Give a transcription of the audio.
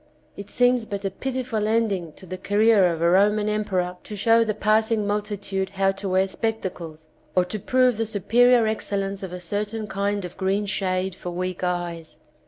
It seems but a pitiful ending to the career of a Roman 225 The Champagne St and ar d Emperor to show the passing multitude how to wear spectacles, or to prove the superior excellence of a certain kind of green shade for weak eyes.